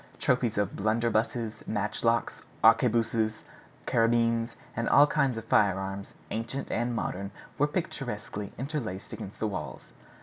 Trophies of blunderbuses, matchlocks, arquebuses, carbines, all kinds of firearms, ancient and modern, were picturesquely interlaced against the walls.